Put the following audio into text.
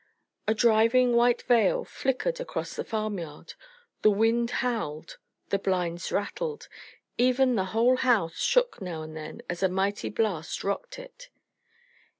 A driving white veil flickered across the farmyard. The wind howled. The blinds rattled. Even the whole house shook now and then as a mighty blast rocked it.